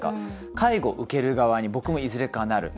介護受ける側に僕もいずれかはなる。